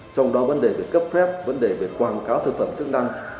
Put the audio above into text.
trong đó vấn đề về cấp phép vấn đề về quảng cáo thực phẩm chức năng